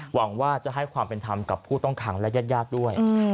หวังว่าจะให้ความเป็นธรรมกับผู้ต้องขังและญาติด้วย